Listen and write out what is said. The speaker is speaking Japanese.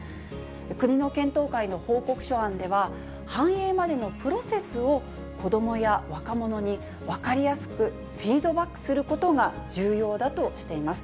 国の検討会の報告書案では、反映までのプロセスを、子どもや若者に分かりやすくフィードバックすることが重要だとしています。